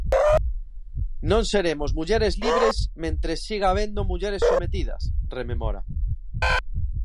"Non seremos mulleres libres mentres siga habendo mulleres sometidas", rememora.